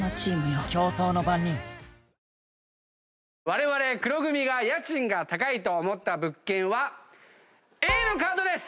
われわれ黒組が家賃が高いと思った物件はＡのカードです！